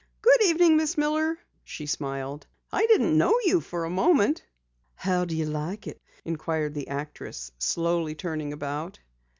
"Good evening, Miss Miller," she smiled. "I didn't know you for a moment." "How do you like it?" inquired the actress, turning slowly about.